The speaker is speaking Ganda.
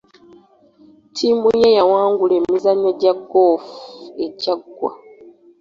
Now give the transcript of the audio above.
Ttiimu ye yawangula emizannyo gya goofu egyaggwa.